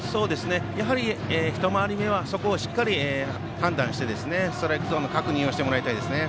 やはり、一回り目はそこをしっかり判断してストライクゾーンの確認をしてもらいたいですね。